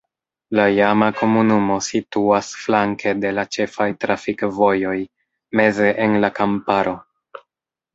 La iama komunumo situas flanke de la ĉefaj trafikvojoj meze en la kamparo.